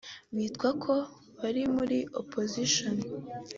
bitwa ko bari muri opposition